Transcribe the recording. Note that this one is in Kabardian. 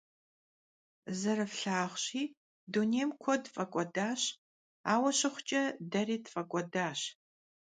Zerıflhağuşi, dunêym kued f'ek'uedaş, aue şıxhuç'e, deri tf'ek'uedaş.